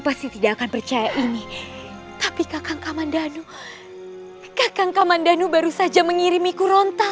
pasti tidak akan percaya ini tapi kakak kaman danu kakak kaman danu baru saja mengirimiku